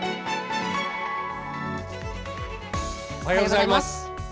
「おはようございます」。